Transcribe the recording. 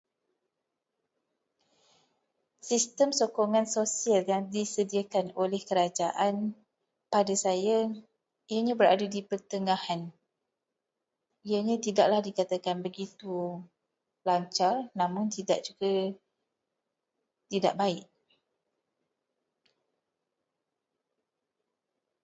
Sistem sokongan sosial yang disediakan oleh kerajaan pada saya ianya berada di pertengahan. Ianya tidaklah dikatakan begitu lancar, namun tidak juga tidak baik.